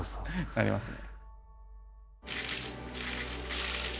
なりますね。